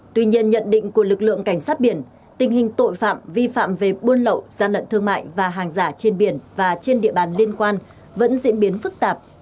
tuy nhiên nhận định của lực lượng cảnh sát biển tình hình tội phạm vi phạm về buôn lậu gian lận thương mại và hàng giả trên biển và trên địa bàn liên quan vẫn diễn biến phức tạp